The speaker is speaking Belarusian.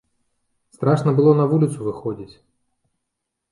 Страшна было на вуліцу выходзіць.